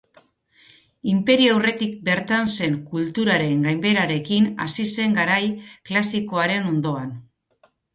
Inperioa aurretik bertan zen kulturaren gainbeherarekin hasi zen garai klasikoaren ondoan.